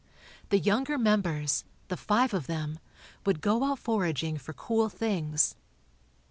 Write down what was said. The younger members, the five of them, would go out foraging for cool things.